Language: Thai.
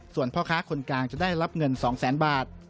ส่วนพ่อค้าคนกลางจะได้รับเงิน๒แสนบาท